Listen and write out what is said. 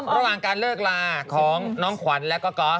ระหว่างการเลิกลาของน้องขวัญแล้วก็ก๊อฟ